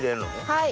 はい。